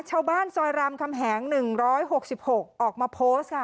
ชาวบ้านซอยรามกำแหงหนึ่งร้อยหกสิบหกออกมาโพสต์ค่ะ